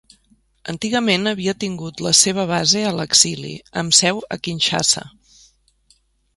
Antigament havia tingut la seva base a l'exili, amb seu a Kinshasa.